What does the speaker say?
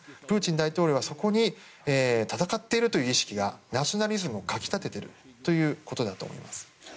プーチン大統領はそこに戦っているという意識がナショナリズムをかき立てているということだと思います。